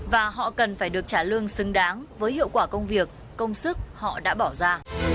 và họ cần phải được trả lương xứng đáng với hiệu quả công việc công sức họ đã bỏ ra